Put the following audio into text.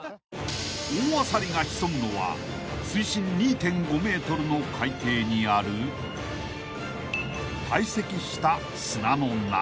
［大アサリが潜むのは水深２．５ｍの海底にある堆積した砂の中］